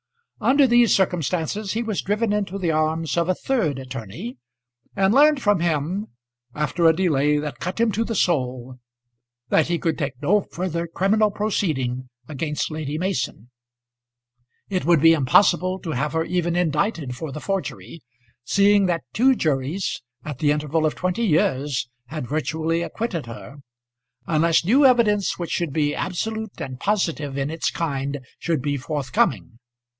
Under these circumstances he was driven into the arms of a third attorney, and learned from him, after a delay that cut him to the soul, that he could take no further criminal proceeding against Lady Mason. It would be impossible to have her even indicted for the forgery, seeing that two juries, at the interval of twenty years, had virtually acquitted her, unless new evidence which should be absolute and positive in its kind should be forthcoming.